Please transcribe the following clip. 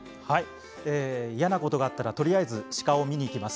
嫌なことがあったらとりあえず、鹿を見に行きます